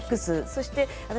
そして私